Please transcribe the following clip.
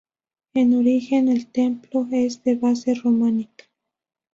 En origen el templo es de base románica.